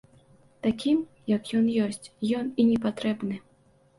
Такім, як ён ёсць, ён і не патрэбны.